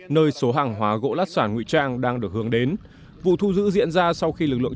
nơi số hàng hóa gỗ lát sản nguy trang đang được hướng đến vụ thu giữ diễn ra sau khi lực lượng